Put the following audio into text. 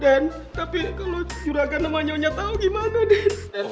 den tapi kalau juragan sama nyonya tau gimana den